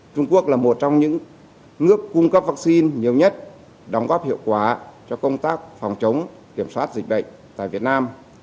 trung quốc là một trong những nước cung cấp vaccine nhiều nhất đóng góp hiệu quả cho công tác phòng chống kiểm soát dịch bệnh tại việt nam